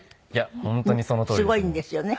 本当にそのとおりですね。